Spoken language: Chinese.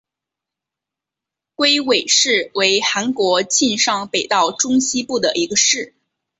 龟尾市为韩国庆尚北道中西部的一个市。